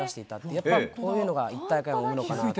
やっぱ、こういうのが一体感を生むのかなって。